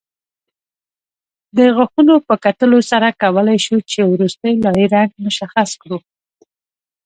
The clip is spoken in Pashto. د غاښونو په کتلو سره کولای شو چې وروستۍ لایې رنګ مشخص کړو